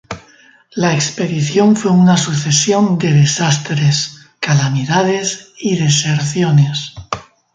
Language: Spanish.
La expedición fue una sucesión de desastres, calamidades y deserciones.